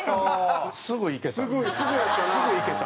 すぐいけた。